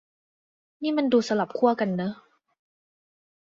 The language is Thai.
นี่มันดูสลับขั้วเนอะ